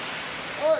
おい！